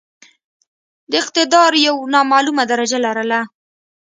د اقتدار یو نامعموله درجه لرله.